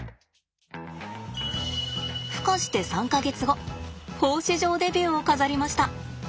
孵化して３か月後放飼場デビューを飾りました。